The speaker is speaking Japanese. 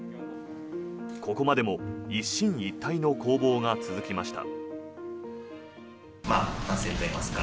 ここまでも一進一退の攻防が続きました。